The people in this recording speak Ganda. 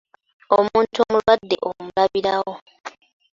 Omuntu omulwadde omulabirawo.